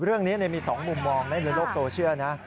เรื่องนี้เนี่ยมีสองมุมมองในโลกโซเชียลนะ